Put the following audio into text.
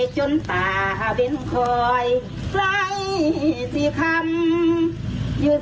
โจ๊ดจ๊อด